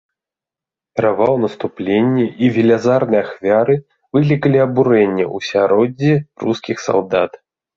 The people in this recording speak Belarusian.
Правал наступлення і велізарныя ахвяры выклікалі абурэнне ў асяроддзі рускіх салдат.